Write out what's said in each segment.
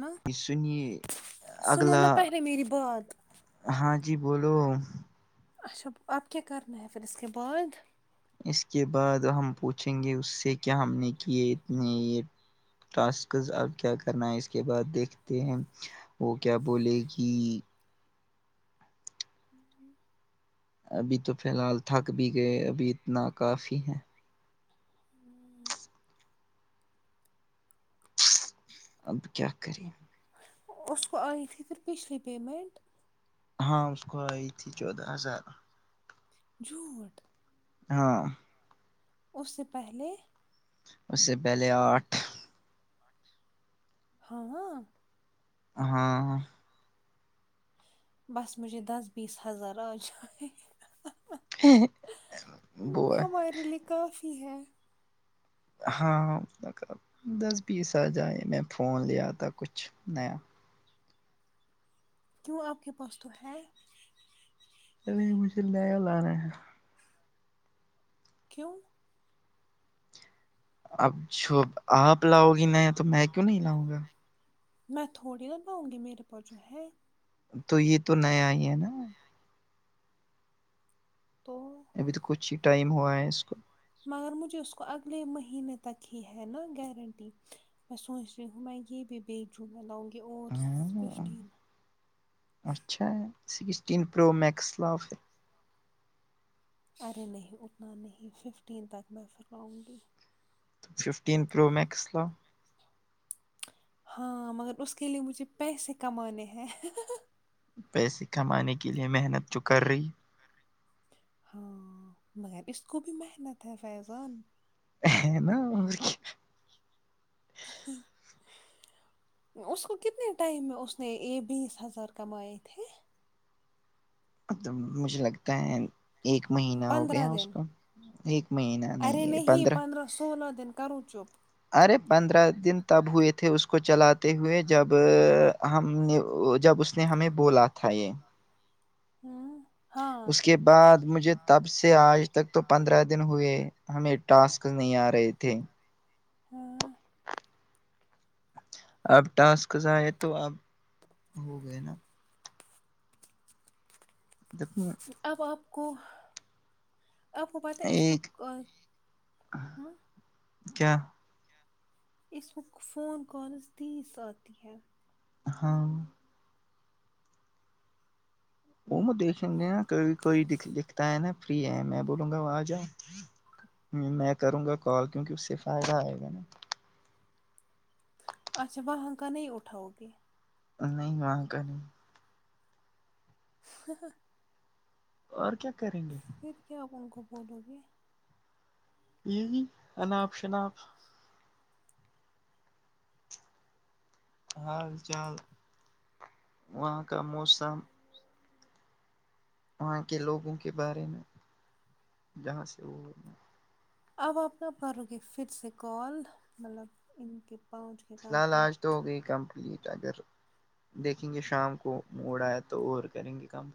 نا جی سنو اگلا نا پہلے میری بات ہاں جی بولو اچھا آپ کیا کیا کرنا ہے پھر ا اس کے بعد اس کے بعد ہم پوچھیں گے اس سے کیا ہم نے کیے اتنے یہ ٹاسکز اب کیا کرنا ہے اس کے بعد دیکھتے ہیں وہ کیا بولے گی [inaudible] ابھی تو فی الحال تھک بھی گئے ابھی اتنا کافی ہے [inaudible] اب کیا کریں اس کو آئی تھی پھر پچھلی پیمنٹ ہاں اس کو آئی تھی چودہ ہزار جھوٹ ہاں اس سے پہلے اس سے پہلے آٹھ ہاںاں ہاں بس مجھے دس بیس ہزار آ جا ہے وہ ہے ہمارے لیے کافی ہے ہاں دس بیس آ جائے میں فون لیا تھا کچھ نیا کیوں آپ کے پاس تو ہے نہیں نہیں مجھے لے لانا ہے کیوں اب جو آپ لاؤ گی نیا تو میں کیوں نہیں لاؤں گا میں تھوڑی لاؤں گی میرے پاس جو ہے تو یہ تو نیا ہی ہے نا تو ابھی تو کچھ ہی ٹائم ہوا ہے اس کو مگر مجھے اس کو اگلے مہینے تک ہی ہے نا گارنٹی میں سوچ رہی ہوں میں یہ بھی بی جعہ لاؤں گی اور ہاں، ففٹین اچھا سکسٹین پرو میکس لاو پھر ارے نہیں اتنا نہیں ففٹین تک میں پھرراؤں گی ففٹین پرو میکس لاو ہاں مگر اس کے لیے مجھے پیسے کمانے ہیں پیسے کمانے کے لیے محنت جو کر رہی ہاں مگر اس کو بھی محنت ہے فیضان ہےنا [unintelligible] ہاں [unintelligible] اس کو کتنے ٹائم میں اس نے بیس ہزار کمائے تھے مجھے لگتا ہے ایک مہینہ ہو پندرہ گیا اس دن کا ایک مہینہ نہیں ہے پندرہ سولہ دن کرو چپ ارے پندرہ دن تب ہوئے تھے اس کو چلاتے ہوئے جب ہم نے جب اس کہ ہمیں بولا تھا یہ ہوں [unintelligible] اس کے بعد مجھے تب سے آج تک تو پندرہ دن ہوئے ہمیں ٹاسک نہیں آ رہے تھے ہاں [unintelligible] آپ ٹاسکزائیں تو آپ ہو گئے نا دھنے [inaudible] اب آپ کو آپ کو پتہ ہے اس کو ایک [unintelligible] کیا اس وقت فون کالز تیز آتی ہے ہاں [unintelligible] وہ دیکھیں گے نا کو کوئی لکھتا ہے نا فری ہے میں بولوں گا آ جاؤ [unintelligible] میں کروں گا کال کیونکہ اس سے فائدہ آئے گا نا اچھا وہاں کا نہیں اٹھاؤ گے نہیں وہاں کا نہیں [unintelligible] ہ [unintelligible] اور کیا کریں گے پھر کیا آپ ان کو بولو گے یہ انناپ شناپ [unintelligible] حال چال وہاں کا موسم وہاں کے لوگوں کے بارے میں جہاں سے وہ اب آپنا کر ر کےے پھر سے کال مطلب ان کے [unintelligible] فی الحال کمپلیٹ آج تو ہو گئی کمپلیٹ اگر [unintelligible] دیکھیں گے شام کو موڑ آیا تو اور کریں گے کام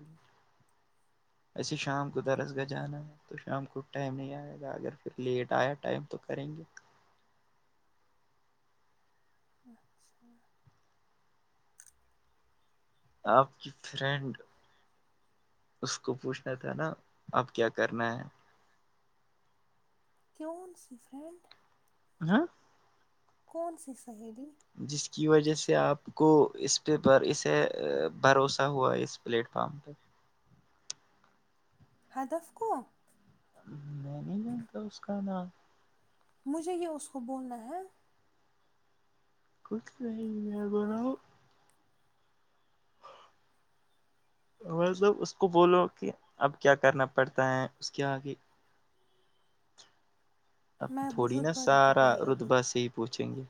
ایسے شام کو درس گاہ جانا ہے تو شام کو ٹائم نہیں آئے گا اگر پھر لیٹ آیا ٹائم تو کریں گے اچھا [unintelligible] آپ کی فرینڈ [unintelligible] اس کو پوچھنا تھا نا اب کیا کرنا ہے [unintelligible] تیون سی فرینڈ [unintelligible] ہاں [unintelligible] کون سی سہیلی جس کی وجہ سے آپ کو اس پہ اسے بھروسہ ہوا اس پلیٹ پ [unintelligible] ہادف کو [unintelligible] میں نہیں جانتا اس کا نام مجھے یہ اس کو بولنا ہے کھ رہ میں بنؤ [unintelligible] ملب اس کو بولو کہ اب کیا کرنا پڑتا ہے اس کے آگے اب میں تھوڑی نا رتبہ دیتی کو سارا ہی ابھی رتبا سے ہی پوچھیں گے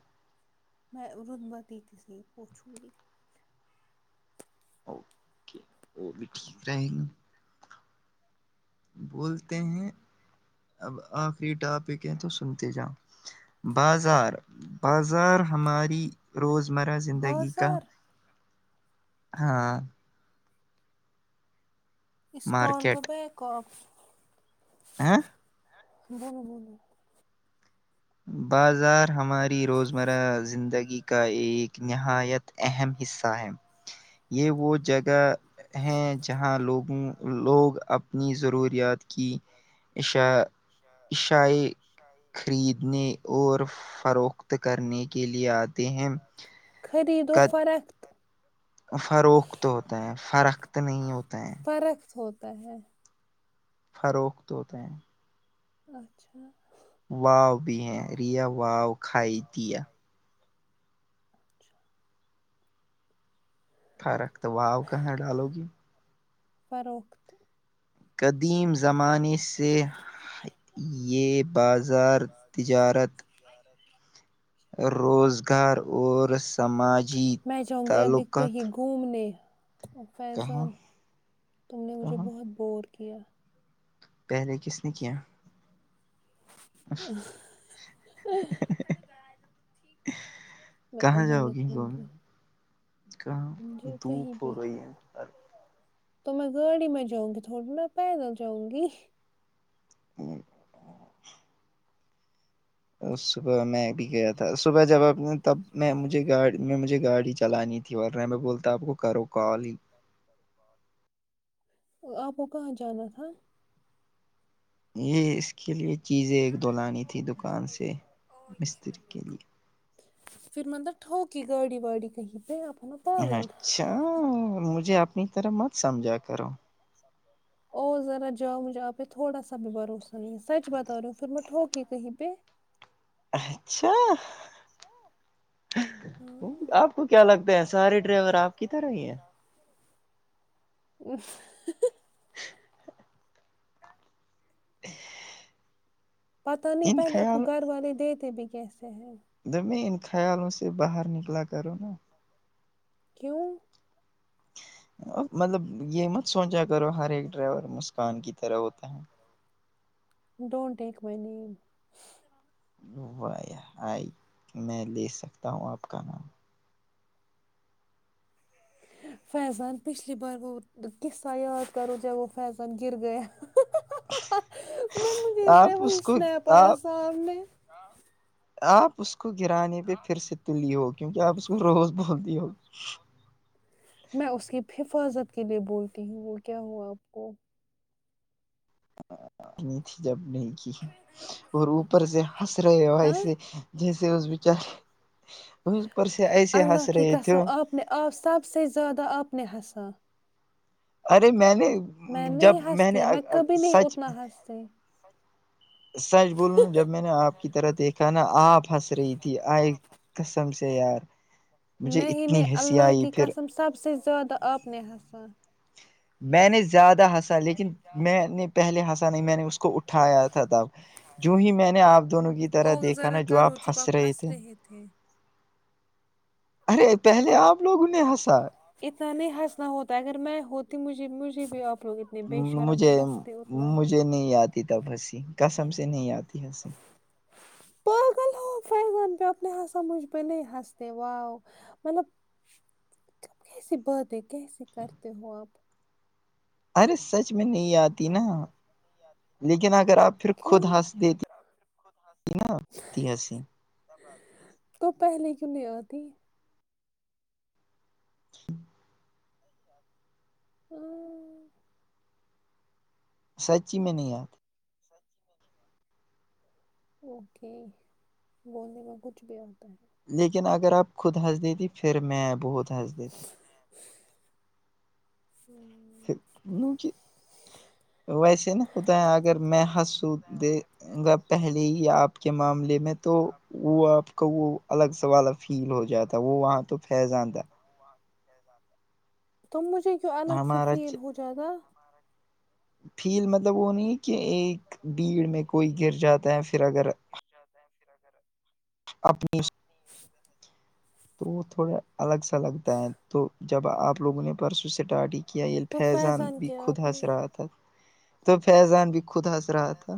میں ردباتی ت س پوچو گ [unintelligible] اوکے [unintelligible] بولتے ہیں ہم، [unintelligible] اب آخری ٹاپک ہے تو سنتے جاؤ بازار بازار ہماری روزمرہ زندگی کا بازار ہاں اسکان کو مارکیٹ بیکپ ہاں بولو بولو بازار ہماری روزمرہ زندگی کا ایک نہایت اہم حصہ ہے یہ وہ جگ ہیں جہاں لوگوں لوگ اپنی ضروریات کی ایشا ایشائی خریدنے اور فروخت کرنے کے لیے آتے ہیں خرید و کا فرق فروخت ہوتا ہے فروخت نہیں ہوتا ہے فرق تھوود کہ ہے [unintelligible] فروخت ہوتے ہیں اچھا واؤ بھی ہیں ریا واؤ کھائی دیا اچھا فرق تو واؤ کہاں ڈالو گی فروخت [unintelligible] قدیم زمانے سے یہ بازار تجارت زارت [inaudible] روزگار اور سماجی میں جاہوں گی ابھی تعلقات کہیں گھومنے کہاں فیضان تم نے مجھے کہاں بہت بور کیا پہے کس ن کین [unintelligible] [unintelligible] میں کہاں ابھی جاؤ گی نکلوں کو کہاں مجھے دھوپ کہیں ہو بھی رہی ہے ہر تو میں گاڑی میں جاؤں گی تھوڑی میں پیدل جاؤں گی [unintelligible] صبح میں بھی گیا تھا صبح جب آپ تب میں مجھے گاڑی میں مجھے گاڑی چلانی تھی ورنہ میں بولتا آپ کو کرو کال ہی آپ کو کہاںاں جانت ہ [unintelligible] یہ اس کے لیے چیزیں ایک دو لانی تھی دکان سے مستری کے لیے پھر مطلب ٹوکی گاڑی واڑی کہیں پہ آپ پاگل اچھا مجھے اپنی طرف مت سمجھا کرو [unintelligible] او ذرا جاؤ مجھے آپہ تھوڑا سا بھی بھروسہ نہیں ہے سچ بتا رہی ہوں پھر میں ٹھوکے کہیں پہ اچھا آپ ہاں کو کیا لگتا ہے سارے ڈرائیور آپ کی طرح ہی ہیں [unintelligible] [unintelligible] پتہ نہیں ان پہلے آپ کو خیال گھر والے دیتے بھی کیسے ہیں ج میں ان خیالوں سے باہر نکلا کروں نا [unintelligible] کیوں ا مطلب یہ مت سوچا کرو ہر ایک ڈرائیور مسکان کی طرح ہوتا ہے [unintelligible] ڈونونٹ ٹیک مائی نیم و آئی میں لے سکتا ہوں آپ کا نام [unintelligible] فیضان پچھلی بار گ ق ساں یاد کرو جب وہ فیضان گر گیا [unintelligible] میں مجھے اس لیرے آپ وہیں کو سنا پایا آپ صاحب نے [unintelligible] آپ اس کو گرانے پہ پھر سے تلی ہو کیونکہ آپ اس کو روز بول دی ہو میں اس کی حفاظت کے لیے بولتی ہوں وہ کیا ہو آپ کو نی تھی جب نہیں کی اور اوپر سے ہنس رہے ہوا ہاں ایے جیسے اس بیچار اس پر سے ایسے اللہ ہنس کی رہے تھے قسم آپ آپ سب سے زیادہ اپنے ہساں ارے میں نے میں نہیں جب نے ہنستی میں کبھی نہیں سچ اتنا ہنستی سچ بولو نا جب میں نے آپ کی طرح دیکھا نا آپ ہنس رہی تھی آئے کسم سے یار مجھے نہیں اتنی نہیں ہنسی اللہ آئی کی پھر قسم سب سے زیادہ آ اپنے ہساں میں نے زیادہ ہس لیکن میں نے پہلے ہنسا نہیں میں نے اس کو اٹھایا تھا تھا جو ہی میں نے آپ دونوں کی طرح دیکھا نا جو آپ ہنس رہے تھے ارے پہلے آپ لوگوں نے ہنسا اتنا نہیں ہنسنا ہوتا ہے اگر میں ہوتی مجھے مجھے بھی لوگ اتنے بے شرم ہو مجھے ہنستے اتنا ہی مجھے نہیں آتی تب ہنسی کسم سے نہیں آتی ہنسی [inaudible] پغ فغان پ اپ نے سا مجھ ب ن ہستے وؤ مطلب [unintelligible] کیسے باتیں کیسے کرتے ہو آپ ارے سچ میں نہیں یاد نا لیکن اگر آپ پھر خود کیوں ہنس دیتی ت ن تحسی [unintelligible] تو پہلے کیوں نہیں آتی ہوں [inaudible] سچی میں نہیں یاد اوکے بولنے میں کچھ بھی آتا ہے لیکن اگر آپ خود ہنس دیتی پھر میں بہت ہنس دیتا ہوں [inaudible] ویسے نا ہوتا ہے اگر میں ہسوں د گ پہل [unintelligible] یہی آپ کے معاملے میں تو وہ آپ کا وہ الگ س والا فیل ہو جاتا وہ وہاں تو فیضاندہ [unintelligible] تم مجھے کیوں الگ سے ہمارا فیل ہو جاتا فیل مطلب وہ نہیں کہ ایک بھیڑ میں کوئی گر جاتا ہے پھر اگر جاتا ہے پھر اگر [inaudible] اپنی تو وہ تھوڑا الگ سا لگتا ہے تو جب آپ لوگوں نے پرسوں اسٹارٹ ہی کیا یہ تو فیضان بھی کیا خود آپ حنس نے رہا تھا تو فیضان بھی خود حنس رہا تھا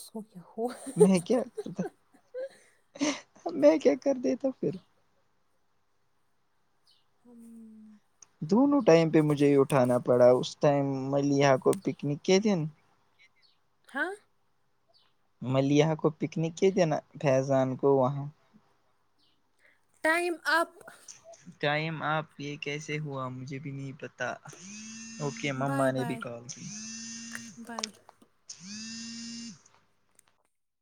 س کیا ہوت [unintelligible] میں کیا کرتا میں کیا کر دیتا پھر ہوں [inaudible] دونوں ٹائم پہ مجھے یہ اٹھانا پڑا اس ٹائم مل کو پکنک کے دن تھااں [unintelligible] ملیا کو پکنک کے دینا فیضان کو وہاں ٹائم اپپ [unintelligible] ٹائم آپ یہ کیسے ہوا مجھے بھی نہیں پتا ت اوکے مما بائے نے بھی بائے کال کی [unintelligible] بائے [unintelligible]